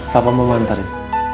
papa mau antarin